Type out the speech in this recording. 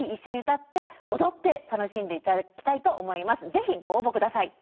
是非ご応募ください。